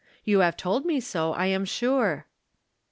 You have told me so, I am sure."